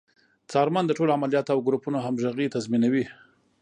څارمن د ټولو عملیاتو او ګروپونو همغږي تضمینوي.